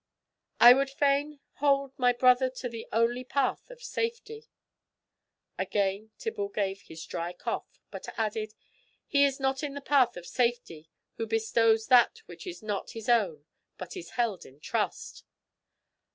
"I would fain hold my brother to the only path of safety." Again Tibble gave his dry cough, but added, "He is not in the path of safety who bestows that which is not his own but is held in trust.